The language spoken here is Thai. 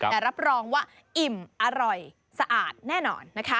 แต่รับรองว่าอิ่มอร่อยสะอาดแน่นอนนะคะ